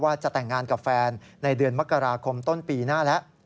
ว่าจะแต่งงานกับแฟนในเดือนมกราคมต้นปีหน้าแล้ว